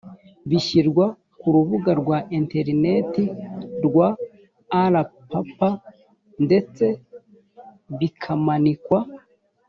bishyirwa ku rubuga rwa interineti rwa rppa ndetse bikamanikwa